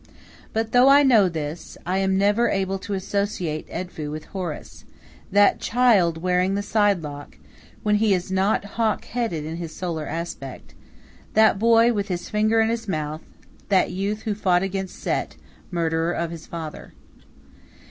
But though I know this, I am never able to associate Edfu with Horus, that child wearing the side lock when he is not hawk headed in his solar aspect that boy with his finger in his mouth, that youth who fought against Set, murderer of his father.